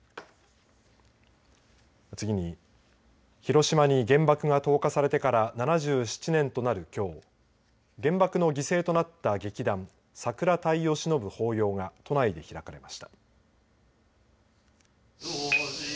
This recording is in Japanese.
次に広島に原爆が投下されてから７７年となるきょう原爆の犠牲となった劇団桜隊をしのぶ法要が都内で開かれました。